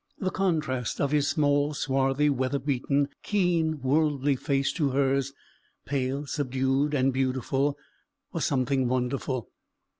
The contrast of his small, swarthy, weather beaten, keen, worldly face to hers pale, subdued, and beautiful was something wonderful.